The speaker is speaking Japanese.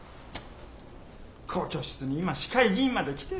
校長室に今市会議員まで来てる。